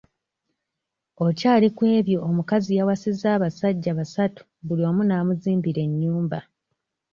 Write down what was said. Okyali ku ebyo omukazi yawasizza abasajja basatu buli omu n'amuzimbira ennyumba.